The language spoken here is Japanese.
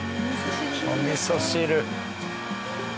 おみそ汁。